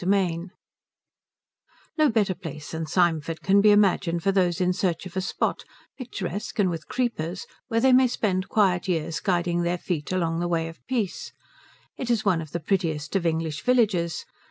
V No better place than Symford can be imagined for those in search of a spot, picturesque and with creepers, where they may spend quiet years guiding their feet along the way of peace. It is one of the prettiest of English villages.